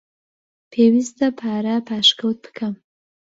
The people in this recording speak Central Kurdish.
پێویستە پارە پاشەکەوت بکەم.